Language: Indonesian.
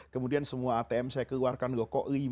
kemudian semua atm saya keluarkan loko lima